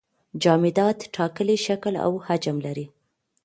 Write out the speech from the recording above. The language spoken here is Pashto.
جامدات ټاکلی شکل او حجم لري.